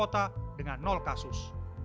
kota dengan kasus